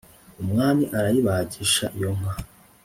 Umwami arayibagisha iyo nka.